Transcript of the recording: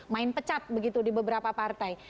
main pecat begitu di beberapa partai